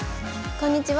こんにちは。